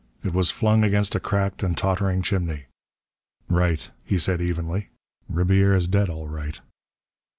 It was flung against a cracked and tottering chimney. "Right," he said evenly. "Ribiera's dead, all right."